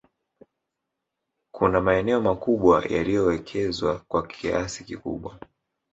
kuna maeneo makubwa yaliyowekezwa kwa kiasi kikubwa